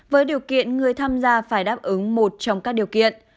với điều kiện người tham gia phải đáp ứng một trong các điều kiện